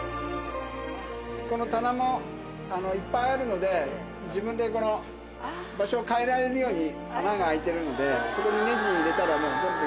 この棚もいっぱいあるので自分で場所を変えられるように穴が開いてるのでそこにネジ入れたらもう。